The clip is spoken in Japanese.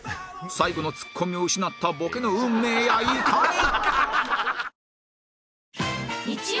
最後のツッコミを失ったボケの運命やいかに？